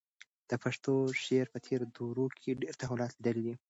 د پښتو شعر په تېرو دورو کې ډېر تحولات لیدلي دي.